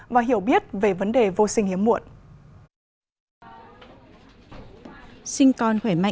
và hiểu biết về vấn đề vô sinh hiếm muộn